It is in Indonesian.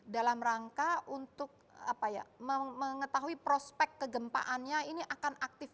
dalam rangka untuk mengetahui prospek kegempaannya ini akan aktif